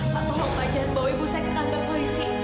pak tolong jangan bawa ibu saya ke kantor polisi